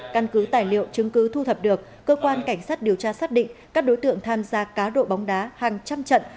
căn cứ tài liệu chứng cứ thu thập được cơ quan cảnh sát điều tra xác định các đối tượng tham gia cá độ bóng đá hàng trăm trận